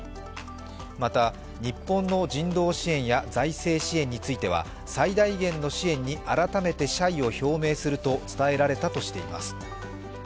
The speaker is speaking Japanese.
また日本の人道支援や財政支援については最大限の支援に改めて謝意を表明すると伝えられたとしています。